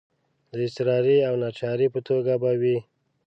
د اضطراري او ناچارۍ په توګه به وي.